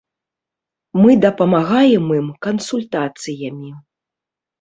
Мы дапамагаем ім кансультацыямі.